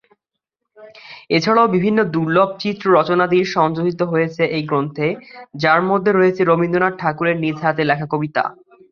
এছাড়াও বিভিন্ন দূর্লভ চিত্র-রচনাদি সংযোজিত হয়েছে এই গ্রন্থে, যার মধ্যে রয়েছে রবীন্দ্রনাথ ঠাকুরের নিজ হাতে লেখা কবিতা।